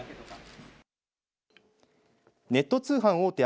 ネット通販大手